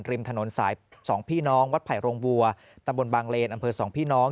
ริมถนนสายสองพี่น้องวัดไผ่โรงบัวตำบลบางเลนอำเภอสองพี่น้อง